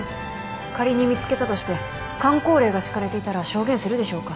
仮に見つけたとしてかん口令が敷かれていたら証言するでしょうか。